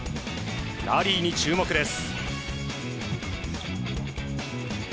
ラリーに注目です。